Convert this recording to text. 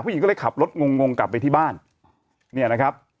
หญิงก็เลยขับรถงงงกลับไปที่บ้านเนี่ยนะครับ